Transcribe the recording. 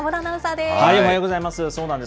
おはようございます。